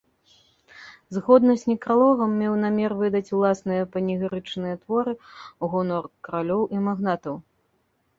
Згодна з некралогам меў намер выдаць ўласныя панегірычныя творы у гонар каралёў і магнатаў.